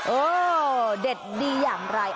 เออเด็ดดีอย่างไร